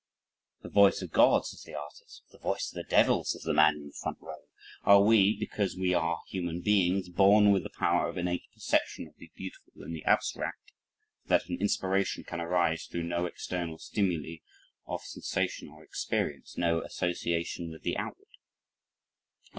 The "voice of God," says the artist, "the voice of the devil," says the man in the front row. Are we, because we are, human beings, born with the power of innate perception of the beautiful in the abstract so that an inspiration can arise through no external stimuli of sensation or experience, no association with the outward?